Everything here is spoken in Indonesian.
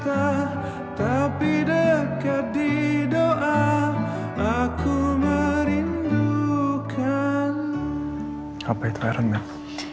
apa itu iron man